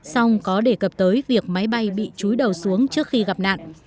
song có đề cập tới việc máy bay bị trúi đầu xuống trước khi gặp nạn